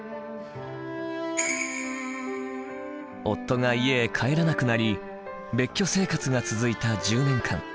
夫が家へ帰らなくなり別居生活が続いた１０年間。